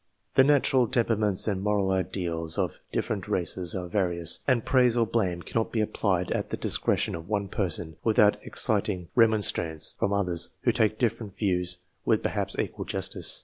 The natural temperaments and moral ideals of different races are various, and praise or blame cannot be applied at the dis cretion of one person without exciting remonstrance from others who take different views with perhaps equal justice.